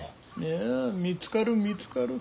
いや見つかる見つかる。